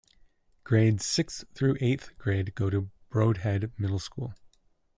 Grades sixth through eighth grade go to the Brodhead Middle School.